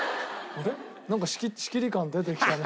なんか仕切り感出てきたね。